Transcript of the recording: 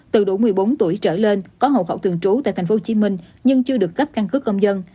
từ đủ một mươi bốn tuổi trở lên có hộ khẩu thường trú tại tp hcm nhưng chưa được cấp căn cước công dân